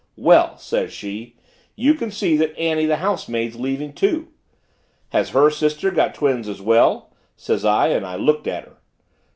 'Well!' says she, 'you can see that Annie the housemaid's leaving, too.' 'Has her sister got twins as well?' says I and looked at her.